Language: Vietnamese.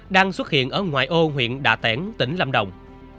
đang xuất hiện ở ngoài ô huyện đà tẻn tỉnh lâm đồng